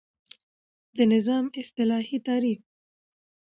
د نظام اصطلاحی تعریف